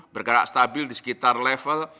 bergerak stabil di sekitar level